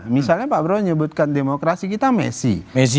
misalnya pak prabowo menyebutkan demokrasi kita messi